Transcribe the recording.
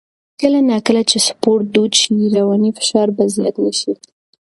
کله نا کله چې سپورت دود شي، رواني فشار به زیات نه شي.